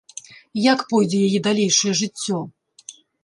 Як пойдзе яе далейшае жыццё?